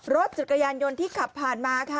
รถจักรยานยนต์ที่ขับผ่านมาค่ะ